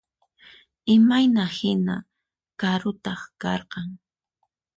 Imayna hina karutaq karqan?